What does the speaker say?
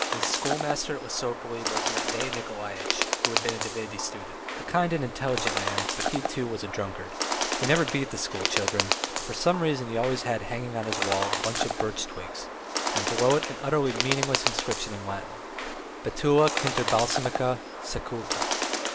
The schoolmaster at Lesopolye was Matvey Nikolaitch, who had been a divinity student, a kind and intelligent man, but he, too, was a drunkard; he never beat the schoolchildren, but for some reason he always had hanging on his wall a bunch of birch twigs, and below it an utterly meaningless inscription in Latin: "Betula kinderbalsamica secuta."